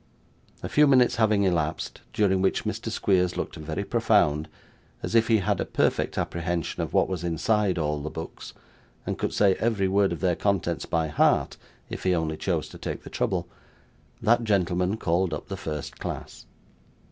A few minutes having elapsed, during which Mr. Squeers looked very profound, as if he had a perfect apprehension of what was inside all the books, and could say every word of their contents by heart if he only chose to take the trouble, that gentleman called up the first class.